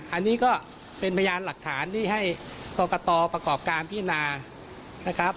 อันนี้ก็เป็นพยานหลักฐานที่ให้กรกตประกอบการพินานะครับ